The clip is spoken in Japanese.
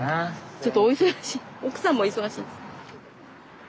ちょっとお忙しい奥さんも忙しいんです。